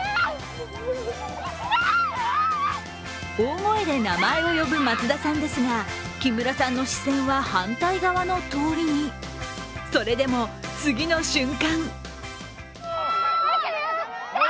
大声で名前を呼ぶ松田さんですが、木村さんの視線は、反対側の通りにそれでも、次の瞬間